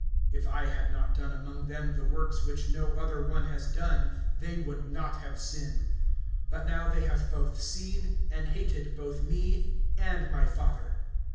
(24)If I had not done among them the works which no other one has done, they would not have sin; but now they have both seen and hated both me and my Father.